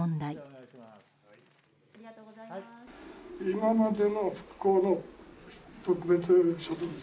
今までの復興の特別所得税